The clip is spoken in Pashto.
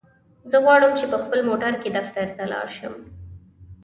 زه غواړم چی په خپل موټرکی دفترته لاړشم.